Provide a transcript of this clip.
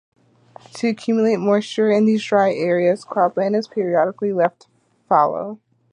To accumulate moisture in these dry areas, cropland is periodically left fallow.